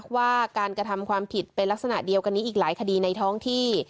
ว่าการกระทำความผิดเป็นลักษณะเดียวกันนี้อีกหลายคดีในท้องที่